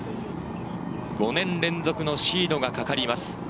５年連続のシードがかかります。